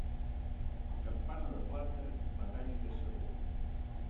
Campana de plata, batall de segó.